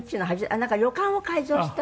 「なんか旅館を改造した」